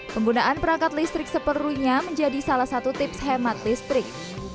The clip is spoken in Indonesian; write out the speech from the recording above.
penggunaan perangkat listrik seperlunya menjadi salah satu tips hemat listrik